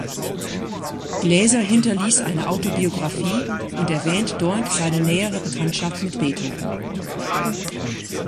Gläser hinterließ eine Autobiographie und erwähnt dort seine nähere Bekanntschaft mit Beethoven.